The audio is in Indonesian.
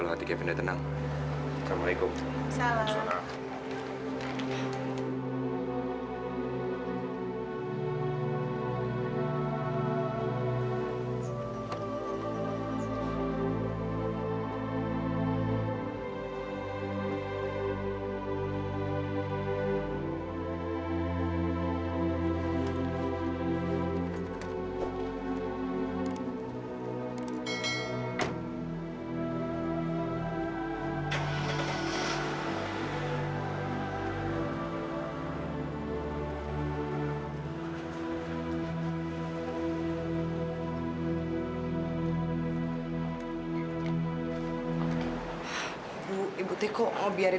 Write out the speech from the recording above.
mas kevin aku ingin tahu